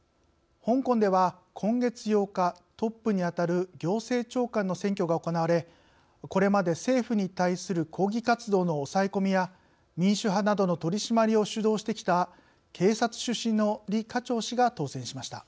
香港では今月８日トップにあたる行政長官の選挙が行われこれまで政府に対する抗議活動の抑え込みや民主派などの取締りを主導してきた警察出身の李家超氏が当選しました。